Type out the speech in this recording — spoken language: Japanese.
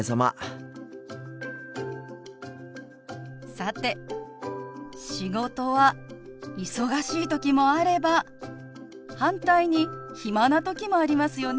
さて仕事は忙しい時もあれば反対に暇な時もありますよね。